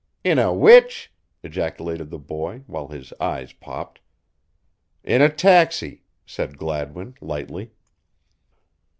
"In a which?" ejaculated the boy, while his eyes popped. "In a taxi," said Gladwin, lightly.